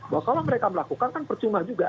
bahwa kalau mereka melakukan kan percuma juga